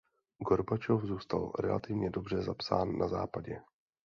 Gorbačov zůstal relativně dobře zapsán na Západě.